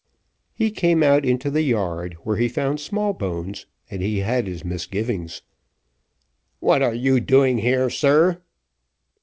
He came out into the yard, where he found Smallbones, and he had his misgivings. "What are you doing here, sir?"